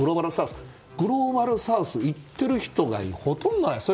グローバルサウスに行っている人がほとんどいない。